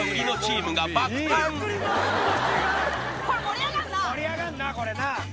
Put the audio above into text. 盛り上がんなこれな！